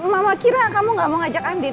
mama kira kamu gak mau ngajak andin